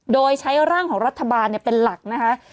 โดยใช้ร่างของรัฐบาลเป็นหลักนะคะ